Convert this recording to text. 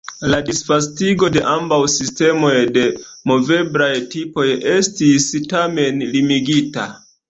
La disvastigo de ambaŭ sistemoj de moveblaj tipoj estis, tamen, limigita.